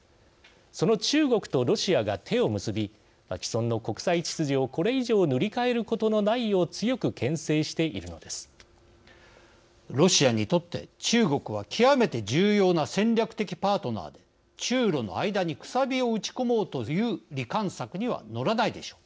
その中国とロシアが手を結び既存の国際秩序をこれ以上塗り替えることのないようロシアにとって中国は極めて重要な戦略的パートナーで中ロの間にくさびを打ち込もうという離間策には乗らないでしょう。